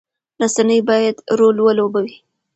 رسنۍ باید رول ولوبوي.